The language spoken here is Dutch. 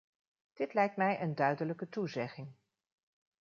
Dit lijkt mij een duidelijke toezegging.